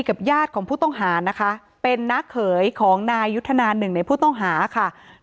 อ๋อเจ้าสีสุข่าวของสิ้นพอได้ด้วย